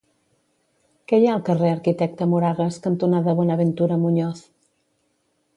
Què hi ha al carrer Arquitecte Moragas cantonada Buenaventura Muñoz?